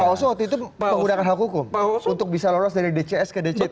pak oso waktu itu menggunakan hak hukum untuk bisa lolos dari dcs ke dct